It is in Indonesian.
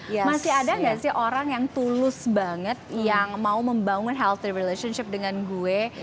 masih ada nggak sih orang yang tulus banget yang mau membangun healthy relationship dengan gue